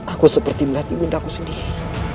aku seperti melihat ibundaku sendiri